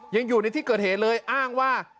ยังอยู่ในที่เกิดเหตุเลยอ้างว่า